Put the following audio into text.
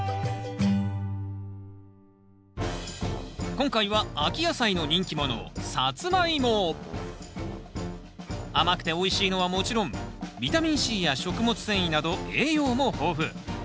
今回は秋野菜の人気者甘くておいしいのはもちろんビタミンＣや食物繊維など栄養も豊富。